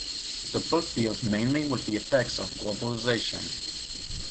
The book deals mainly with the effects of globalization.